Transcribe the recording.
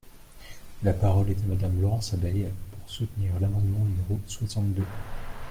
La parole est à Madame Laurence Abeille, pour soutenir l’amendement numéro soixante-deux.